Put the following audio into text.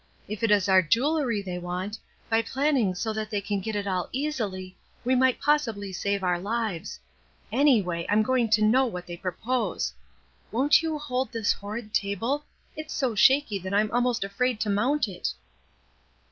If it is our jewelry that they want, by planning so that they can get it all easily, we might possibly save our Uves. Anyway, I'm going to know what they propose. Won't you hold this horrid table? It is so shaky that I'm almost afraid to mount it."